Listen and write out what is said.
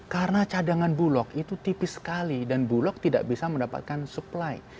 karena cadangan bulog itu tipis sekali dan bulog tidak bisa mendapatkan supply